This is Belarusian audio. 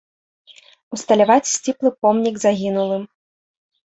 Усталяваць сціплы помнік загінулым.